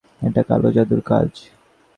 এটা কালো জাদুর কাজ।